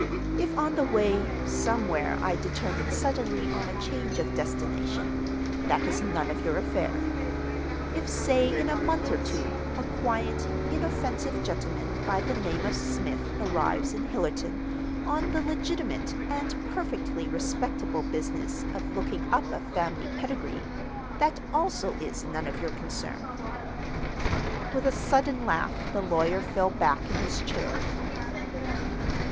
If on the way, somewhere, I determine suddenly on a change of destination, that is none of your affair. If, say in a month or two, a quiet, inoffensive gentleman by the name of Smith arrives in Hillerton on the legitimate and perfectly respectable business of looking up a family pedigree, that also is none of your concern." With a sudden laugh the lawyer fell back in his chair.